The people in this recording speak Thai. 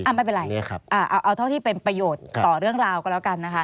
ไม่เป็นไรเอาเท่าที่เป็นประโยชน์ต่อเรื่องราวก็แล้วกันนะคะ